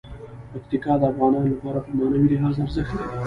پکتیکا د افغانانو لپاره په معنوي لحاظ ارزښت لري.